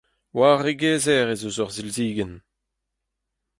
War ar regezer ez eus ur silzigenn.